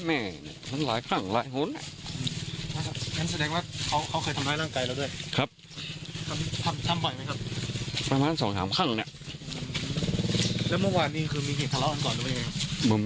แล้วเมื่อวานนี้คือมีเหตุผละกันก่อนหรือเปล่าเอง